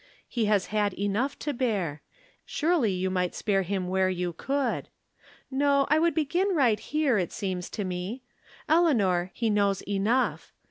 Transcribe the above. He has had enough to bear. Surely you might spare him where you could, ifo, I would begin right here, it seems to me. Eleanor, he knows enough.